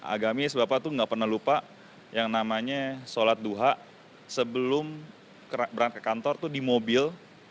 agamis bapak tuh gak pernah lupa yang namanya sholat duha sebelum berangkat kantor tuh di mobil